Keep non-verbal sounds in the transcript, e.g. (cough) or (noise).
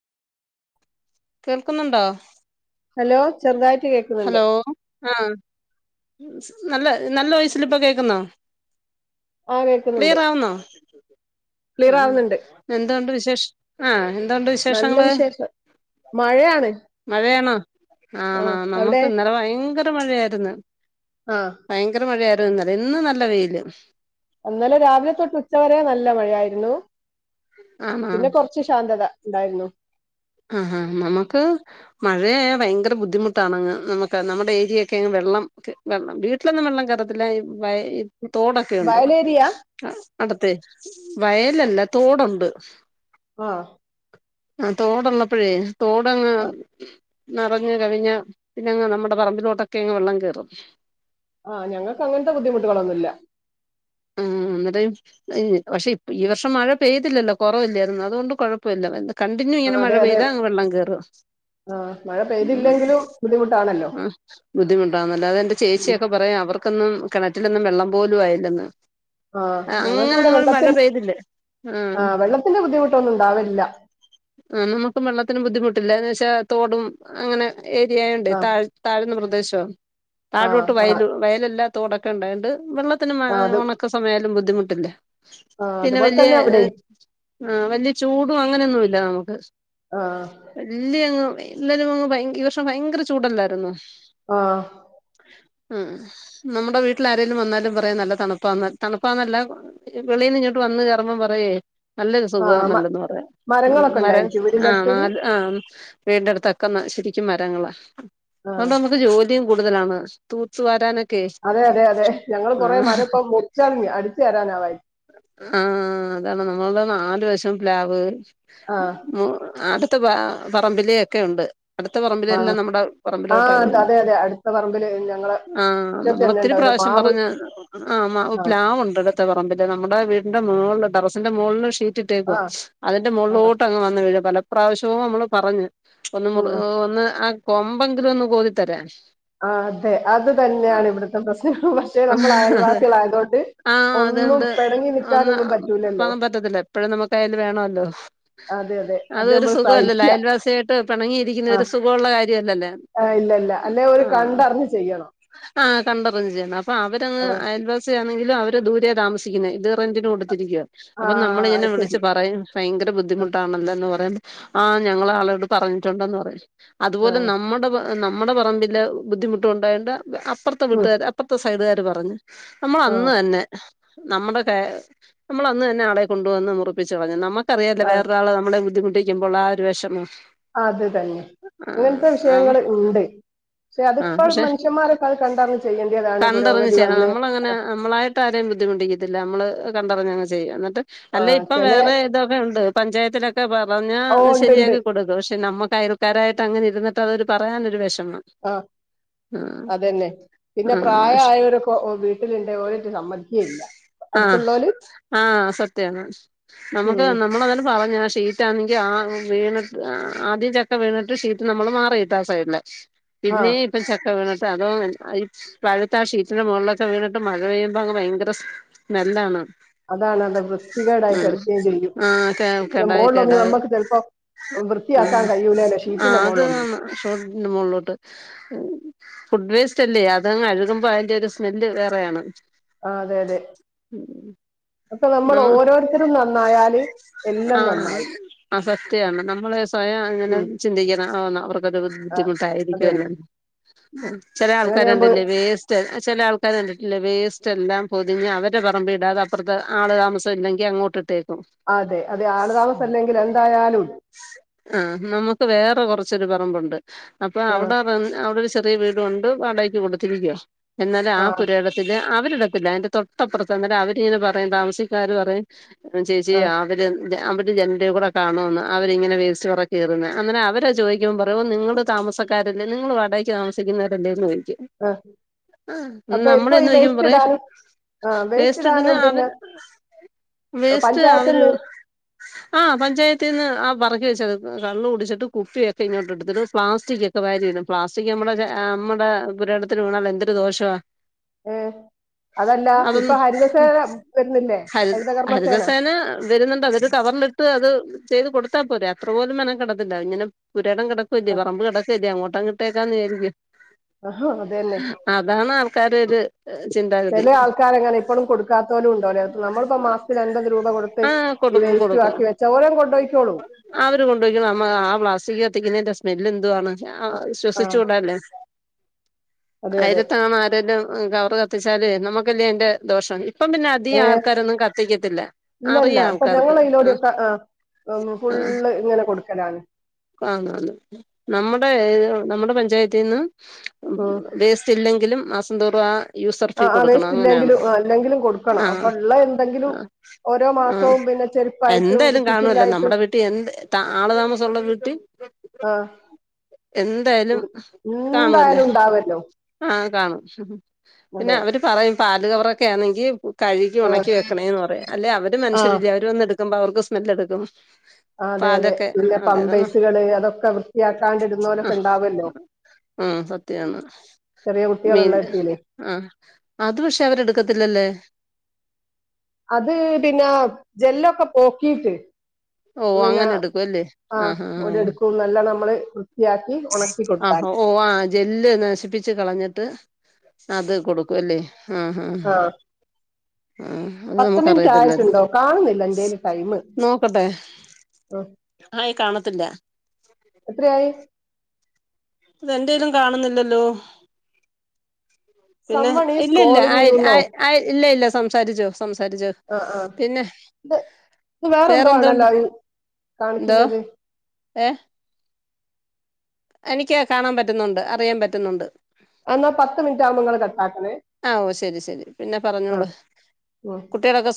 കേൾക്കുന്നുണ്ടോ ഹലോ ചെറുതായിറ്റ് കേക്ക്ന്ന്ണ്ട് ഹലോ ആഹ് നല്ല നല്ല വോയിസ്‌ല് പ്പോ കേക്ക്ന്നോ ആ കേക്ക്ന്നുണ്ട് ആഹ് എന്തോണ്ട് വിശേഷ ആഹ് എന്തോണ്ട് നല്ല വിശേഷങ്ങള് വിശേഷം മഴയാണ് മഴയാണോ ആ ആണോ അവിടെ നമുക്ക് ന്നലെ ഭയങ്കര മഴയായിരുന്നു ആ ഭയങ്കര മഴയാര്ന്നു ന്നലെ ന്നും നല്ല വെയില് ന്നലെ രാവിലെ തൊട്ട് ഉച്ചവരെ നല്ല മഴായിരുന്നു ആണോ പിന്നെ കൊർച്ച് ശാന്തത ണ്ടായിര്ന്നു ആഹാ നമുക്ക് മഴയായ ഭയങ്കര ബുദ്ധിമുട്ടാണ്ങ്ങ് നമുക്ക് നമ്മുടെ ഏരിയൊക്കെങ്ങ് വെ ള്ളം വെള്ളം വീട്ടിലൊന്നും വെള്ളം കേറത്തില്ല വയി തോടൊക്കെയുണ്ട് വയലേരിയ അടുത്തെ വയലല്ല തോടുണ്ട് ആഹ് ആ തോടുള്ളപ്പഴേ തോടങ്ങ് ആ, നെറഞ് കവിഞ്ഞ് പിന്നങ്ങ് നമ്മുടെ പറമ്പിലോട്ടൊക്കെ ങ്ങ് വെള്ളം കേറും ആഹ് ഞങ്ങക്ക് അങ്ങൻത്തെ ബുദ്ധിമുട്ടുകളൊന്നുല്ല ഉം ന്നട്ട് ഹ് പക്ഷെ ഈ വർഷം മഴ പെയ്തില്ലല്ലോ കൊറവില്ലേർന്നോ അതുകൊണ്ട് കൊഴപ്പല്ല കണ്ടിന്യൂ ആ ങ്ങനെ മഴ അതെ അതെ പെയ്താ ങ് വെള്ളം കേറും ആ മഴ ഉം പെയ്തില്ലെങ്കിലും ബുദ്ധിമുട്ടാണല്ലോ ആഹ് ബുദ്ധിമുട്ടാന്നുല്ല അതെന്റെ ഉം. ചേച്ചിയൊക്കെ പറയും അവർ ക്കൊന്നും കിണറ്റിലൊന്നും വെള്ളം പോലും ആയില്ലന്ന് ആ ഞങ്ങൾക്ക്വ്ടെ വെള്ളത്തിൻ പെയ്തില്ലേ ആ വെള്ളത്തിന്റെ ബുദ്ധിമുട്ടൊന്നും ണ്ടാവേല്ല ആ നമുക്ക് വെള്ളത്തിന് ബുദ്ധിമുട്ടില്ല എന്ന് വെച്ചാ തോടും അങ്ങനെ ഏരിയയുണ്ട് ആ താഴ് താഴ്ന്ന പ്രദേശം ആ താഴോട്ട് ആ വയൽ വയലല്ല തോടൊക്കെ ണ്ടായണ്ട് വെള്ളത്തിന് ആ, അത് ഉണക്ക സമയാലും ബുദ്ധിമുട്ടില്ല ആ പിന്നെ അതുപോലെ വല്ല്യ തന്നെ അവിടെ ആ വല്ല്യ ചൂടും അങ്ങനെയൊന്നും ല്ല നമുക്ക് ആ വല്ല്യ ങ് എല്ലരും അങ് ഭയൻ ഈ വർഷം ഭയങ്കര ചൂടല്ലായിരുന്നോ ആഹ് ഉം നമ്മുടെ വീട്ടിൽ ആരേലും വന്നാലും പറയാ നല്ല തണുപ്പാ ന്ന് തണുപ്പാന്നല്ല വെളിൽന്നിങ്ങട്ട് വ ന്ന് കേറുമ്പം പറയേ നല്ലൊരു ആ സുഖവാ മ- നല്ലന്ന് പറയാ ഉം മരങ്ങളൊക്കെ മര ഉണ്ടായിരിക്കും വീടിന്റെ ആ അടുത്തൊരു നൽ ആഹ് വീട്ന്റെ അടുത്തൊക്കെ ന്ന ശരിക്കും മരങ്ങള ആ അതൊ മ്മക്ക് ജോ യും കൂടുതലാണ് തൂത്തു വാരാനൊ അതെ അതെ അതെ ഞങ്ങള് കൊറേ മര പ്പ മുറിച്ചെറിഞ് അടിച്ചു വാരാനാവായി ഹാ അതാണ് നമ്മൾത് നാ ല് വശം പ്ലാവ് ആ അടുത്ത പ പറമ്പിലൊക്കെയുണ്ട് അടുത്ത ആ പറമ്പിലെല്ലാം നമ്മുടെ ആ പറമ്പിലോട്ടാ വര ത- അതെ അതെ അടുത്ത പറമ്പില് ഞങ്ങളെ ആഹ് മുറ്റത്ത് നമ്മളൊ തന്നെ ത്തിരി ഉണ്ട് ഒരു പ്രാശ്യം മാവ് വെറക് ആ മാവ് പ്ലാവുണ്ട് ട്ത്തെ പറമ്പില് നമ്മുടെ വീ വീടിന്റെ മോളില് ടെറസിന്റെ മുകളിൽ ഷീറ്റ് ആ ഇട്ടേക്കുവാ അതിന്റെ ആ മുകളിലോട്ട് അങ്ങ് വന്ന് പലപ്രാവശ്യവും നമ്മള് പറഞ്ഞു ഒന്ന് ഉം ഒന്ന് ആ കൊമ്പെങ്കിലും ഒന്ന് കോതിത്തരാൻ ആഹ് അതെ അത് തന്നെയാണ് ഇവിടുത്തെ പ്രശ്നങ്ങൾ പക്ഷെ നമ്മൾ അതെ അയൽവാസികളായതുകൊണ്ട് ആഹ് ഒന്നും അതോണ്ട് പിടങ്ങി ഒന്ന് നിൽക്കാനൊന്നും പറ്റൂലല്ലോ പോകാൻ പറ്റത്തില്ല എപ്പോഴും നമുക്ക് അയൽ വേണല്ലോ അതെ അതെ അത് അതൊരു നമ്മൾ സുഖല്ലല്ലോ സഹിക്കുക അയൽവാസിയായിട്ട് പിണങ്ങിയിരിക്കുന്നെ ആ ഒരു സുഖമുള്ള കാര്യമല്ലല്ലോ ആ ഇല്ലല്ല അല്ലെ ഓര് കണ്ടറിഞ്ഞ് ചെയ്യണം ആ കണ്ടറിഞ്ഞ് ചെയ്യണം അപ്പം അവരങ്ങ് ആ അയൽവാസി ആണെങ്കിലും അവര് ദൂരെയാ താമസിക്കുന്നെ ഇത് റെന്റിന് കൊടു ത്തിരിക്കുവാ ആ അപ്പൊ നമ്മളിങ്ങനെ ശരി വിളിച്ച് പറയും ഭയങ്കര ആ ബുദ്ധിമുട്ടാണല്ലോ എന്ന് പറയും ആ ഞങ്ങള് ആളോട് പറഞ്ഞിട്ടുണ്ടെന്ന് പറയും ആ അതുപോലെ നമ്മുടെത് നമ്മുടെ പറമ്പില് ബുദ്ധിമുട്ട് ഉണ്ടായോണ്ട് അപ്പുറത്തെ ഉം, വീട്ടുകാർ അപ്പറത്തെ സൈഡുകാര് പറഞ്ഞ് നമ്മള് ആ അന്ന് തന്നെ നമ്മുടെ കെ നമ്മള് അന്ന് തന്നെ ആളെ കൊണ്ടുവന്ന് മുറിപ്പിച്ച് കളഞ്ഞു നമ്മ മ്മക്ക് അറിയാല്ലോ ആ വേറൊരാള് നമ്മളെ ബുദ്ധിമുട്ടിക്കുമ്പോൾ ആ ഒരു വിഷമം അത് തന്നെ അങ്ങനത്തെ ആഹ് വിഷയങ്ങള് ഇണ്ട് പക്ഷെ അതിപ്പോൾ മനുഷ്യൻമാര് കണ്ടറിഞ്ഞു ചെയ്യണം നമ്മളങ്ങനെ നമ്മളായിട്ട് ആരെയും ബുദ്ധിമുട്ടിക്കത്തില്ല നമ്മള് നമ്മക്ക് കണ്ടറിഞ്ഞങ്ങ് ചെയ്യാം എന്ന ട്ട് ആ അല്ല ഇപ്പൊ ചെലെ വേറെ ഇതൊക്കെ ഉണ്ട് പഞ്ചായത്തിലൊക്കെ പറഞ്ഞാ ഓ ഉണ്ട്ണ്ട് ശരിയാക്കി കൊടുക്കും പക്ഷെ നമ്മക്ക് അയൽക്കാരായിട്ട് അങ്ങനെ ഇരുന്നിട്ട് അതൊരു പറയാനൊരു വിഷമം ആ ആഹ് അതന്നെ പിന്നെ ആഹ് പ്രായമായവരൊക്കെ വീട്ടിലുണ്ടേ ഓരോറ്റ് സമ്മതിക്കേം ഇല്ല ആഹ് ആ റ്റ് നമുക്ക് ഉം നമ്മളത് പറഞ്ഞ് ഷീറ്റാണെങ്കിൽ ആ വീണട്ട് ആദ്യം ചക്ക വീണിട്ട് ഷീറ്റ് നമ്മള് മാറിയിട്ട് ആ സൈഡിലെ ആ പിന്നെയും ഇപ്പം ചക്ക വീണ ട്ട് അതോ ഈ പഴുത്ത ആ ഷീറ്റിന്റെ മുകളിലൊക്കെ വീണിട്ട് മഴ പെയ്യുമ്പോൾ അങ്ങ് ഭയങ്കര സ്മെല്ലാണ് അതാണ് അത് വൃത്തികേടായി ആഹ് കിടക്കുകയും ചെയ്യും ആഹ് കെ പിന്നെ കെടായി മോളിലൊന്ന് കെടായി നമ്മുക്ക് ചിലപ്പോ ഉം വൃത്തിയാക്കാൻ കഴിയൂലല്ലോ ഷീറ്റിന്റെ ആഹ് അത് മോളിലൊന്നും ഷോട്ടിന്റെ മോളിലോട്ട് ഫുഡ് വേസ്റ്റ് അല്ലേ അതങ്ങ് അഴുകുമ്പോ അതിന്റെ ഒരു സ്മെല്ല് വേറെയാണ് ആഹ് അതെ അതെ ഉം അപ്പൊ നമ്മൾ നമ്മ ഓരോരുത്തരും നന്നായാല് എല്ലാം ആഹ് നന്നായി ആഹ് സത്യാണ് (unintelligible) അങ്ങനെ ഉം ചിന്തിക്കണം ആന്ന് ഒര് ആ അതെ ബുദ്ധിമുട്ടായിരിക്കുമല്ലോ ചില ആൾക്കാര് അങ്ങനെയാകുമ്പോ കണ്ടില്ലേ വേസ്റ്റ് ചില ആൾക്കാര് കണ്ടിട്ടില്ലേ വേസ്റ്റ് എല്ലാം പൊതിഞ്ഞ് അവരെ പറമ്പിൽ ഇടാതെ അപ്പറത്തെ ആള് താമസം ഇല്ലെങ്കി അങ്ങോട്ടിട്ടേ ക്കും അതെ അതെ ആളുതാമസം അല്ലെങ്കിൽ എന്തായാലും ഉണ്ട് ആഹ് നമ്മുക്ക് വേറെ കൊറച്ച് ച്ചൊര് പറമ്പുണ്ട് അപ്പൊ ആ അവിടെ റെ അവിടെ ഒരു ചെറിയ വീട് ഉണ്ട് വാടകക്ക് കൊടുത്തിരിക്കുവാ എന്നാലും ആ പുരയിടത്തില് അവരിടത്തില്ല അതിന്റെ തൊട്ടപ്പുറത്ത് അന്നാരം അവരിങ്ങനെ പറ പറയും താമസിക്കാര് പറയും ചേച്ചി ആ അവര് അവര് ജനലി കൂടെ കാണുമെന്ന് അവരിങ്ങനെ വേസ്റ്റ് പെറുക്കി എറിയുന്നെ അന്നാരം അവര് ചോദിക്കുമ്പം പറയയും ഓ നിങ്ങള് താ താമസക്കാരല്ലേ നിങ്ങള് വാടകക്ക് താമിക്കുന്നവരല്ലേന്ന് ചോ ദിക്കും ആ ആഹ് അപ്പൊ നമ്മള് ഇപ്പൊ ഈ ചെന്ന് ചോദിക്കുമ്പം വേസ്റ്റ് പറയും ഇടാനും വേസ്റ്റ് ഇടുന്നെ ഇടാനും അവ പിന്നെ വേസ്റ്റ് പഞ്ചായത്തിൽ അവര് ആഹ് പഞ്ചായത്ത്‌ ത്തീന്ന് നിന്ന് ആ പറക്കി വച്ചത് കള്ള് കുടിച്ചിട്ട് കുപ്പിയൊക്കെ ഇങ്ങോട്ട് എടുത്തിടും പ്ലാസ്റ്റിക്കൊക്കെ വാരി ഇടും പ്ലാസ്റ്റിക്ക്‌ നമ്മ നമ്മള് പക്ഷെ ആഹ് നമ്മടെ പുരയിടത്തില് വീണാൽ എന്തൊരു ദോഷവാ നിന്ന് അതല്ല ഇപ്പൊ അതൊന്നും ഉം ഹരിതസേന വരുന്നില്ലേ ഹരി ഹരിതകർമ്മസേന ഹരിതസേന വരുന്നുണ്ട് അവര് കവറിലിട്ട് അത് ചെയ്ത് കൊടുത്താ പോരേ അത്ര പോലും മെനക്കെടത്തില്ല ഇങ്ങനെ പുരയിടം കിടക്കുവല്ലേ ആ, പറമ്പ് കിടക്കുവല്ലേ അങ്ങോ ട്ടങ്ങ് ഇട്ടേക്കാന്ന് വിയാരിക്കും ആ ഹാ അതേനേ ആൾക്കാരുടെ ഒരു ഏഹ്, ചെല ചിന്താഗതി ആൾക്കാരങ്ങന ഇപ്പളും കൊടുക്കാത്ത (unintelligible) നമ്മളിപ്പ മാസത്തിൽ അമ്പത് രൂപ കൊടുത്ത് ആഹ് ഈ കൊടുക്കും വേസ്റ്റ് വാക്കി വെച്ച ഓരങ്ങ് കൊണ്ടുയിക്കോളും ആ ആവര് കൊണ്ടപോയ് ആ പ്ലാസ്റ്റിക്ക് കത്തിക്കുന്നതിന്റെ സ്മെല്ലെന്തുവാണ് ആ, ആ ശ്വസിച്ചുകൂടല്ലേ. അതെ അതെ അയിലത്തങ്ങാണും ആരേല്ലും ഉം കവറ് കത്തിച്ചാല് നമ്മുക്കല്ലേ അയി ന്റെ ദോഷം ഇപ്പം പിന്ന ഏ അധികം ആൾക്കാരൊന്നും കത്തിക്കത്തില്ല ഇല്ലല്ല അറിയാം ഇപ്പൊ ആൾക്കാർക്ക് ഞങ്ങളെ ആ ഇതിലൂടെയൊക്കെ (unintelligible) ഫുള്ള് ഇങ്ങനെ കൊടുക്കലാണ്. ആന്നാന്ന്‌ നമ്മ നമ്മുടെ പഞ്ചായത്തിന്ന് ഉം. വേസ്റ്റ് ഇല്ലെങ്കിലും മാസംന്തോറും ആ യൂസർ ആ ഫീ ആ കൊടുക്കണം. വേസ്റ്റ് അങ്ങനേ ണ്. ഇല്ലെങ്കിലും ആ, ഇല്ലെങ്കിലും കൊടുക്കണം ആ അപ്പൊ ഉള്ള എന്തെങ്കിലും ആ ഓരോ ആ മാസവും പിന്നെ ചെരുപ്പായിട്ടും എന്തായലും കാണുവല്ലോ കുപ്പിച്ചില്ലായിട്ടും നമ്മുടെ വീട്ടി എന്ത് ആള് താമസം ഒള്ള വീട്ടി ആ എന്തായാലും കാണുവല്ലേ എന്തായാലും ഉണ്ടാവല്ലോ ആ കാണും. പിന്നെ അതെ അവര് പറയും പാല് കവറൊക്കെ ആന്നെങ്കി കഴുകി ആഹ് ഒണക്കി വെക്കണേന്ന് പറയും. അല്ലെ അവര് ആഹ് മനുഷ്യരല്ലേ അവര് വന്നെടുക്കുമ്പോ അവർക്ക് സ്മെല്ലെടുക്കും. അതെ അതെ പാലോക്കെ പിന്നെ അതെ ന്ന പമ്പേഴ്സുകള് അതൊക്കെ ആ വൃത്തിയാക്കാണ്ടിരുന്നോലൊക്കെ ഉണ്ടാവല്ലോ ആ സത്യാന്ന് ചെറിയ മീൻ കുട്ടികളുള്ള ഇടത്തില് ആ അത് പക്ഷെ അവരെടുക്ക ഇല്ലല്ലേ അത് പിന്നെ ജെല്ലൊക്കെ പോക്കീട്ട്. ഓ പിന്ന അങ്ങനെ എടുക്കുവല്ലേ ആ ആഹാ ഒരെടുക്കും ന്നല്ല നമ്മള് വൃത്തിയാക്കി ഉണക്കി അ കൊടുത്താൽ ഒ ഓ ആ ജെല്ല് നശിപ്പിച്ച് കളഞ്ഞിട്ട് അത് കൊടുക്കും അല്ലേ ആ ആ ആഹ് ആ അത് പത്ത് മിനിറ്റ് നമുക്കറിയത്തില്ലാരുന്നു ആയിട്ടുണ്ടോ കാണുന്നില്ല എന്റെല് ടൈമ് നോക്കട്ടെ. ആഹ് ആയി കാണത്തില്ല എത്രയായി. അതെന്റെലും കാണുന്നില്ലല്ലോ പിന്നെ സംവൺ ഈസ് ഇല്ല ഇല്ല കോളിങ് ആയി യുന്നോ ആയി ആയി ഇല്ല ഇല്ല സംസാരിച്ചോ സംസാരിച്ചോ ആഹ് ആഹ് പിന്നെ ഇത് ഇത് വേറെന്തോ വേറെന്തോണ്ട് ആണല്ലോ എന്തോ കാണിക്കുന്നത്. ഏ എനിക്ക് കാണാൻ പറ്റുന്നുണ്ട്. അറിയാൻ പറ്റുന്നുണ്ട്. എന്നാ പത്ത് മിനിറ്റ് ആവുമ്പോ ഇങ്ങള് കട്ടാക്കണേ ആ ഓ ശരി ശരി പിന്നെ പറഞ്ഞോളൂ. ആഹ് ഉം കുട്ട്യേളെക്കെ സ്‌കൂ